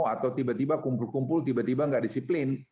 atau tiba tiba kumpul kumpul tiba tiba nggak disiplin